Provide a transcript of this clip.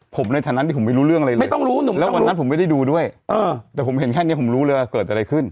ผมในฐานะที่ผมไม่รู้เรื่องอะไรเลยไม่ต้องรู้หนุ่มแล้ววันนั้นผมไม่ได้ดูด้วยเออแต่ผมเห็นแค่นี้ผมรู้เลยว่าเกิดอะไรขึ้น